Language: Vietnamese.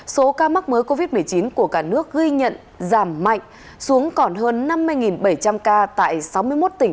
số ca mắc mới covid một mươi chín của cả nước ghi nhận giảm mạnh xuống còn hơn năm mươi bảy trăm linh ca tại sáu mươi một tỉnh